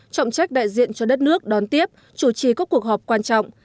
trọng trách đại diện cho đất nước đón tiếp chủ trì các cuộc họp quan trọng